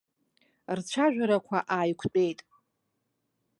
Рцәажәарақәа ааиқәтәеит.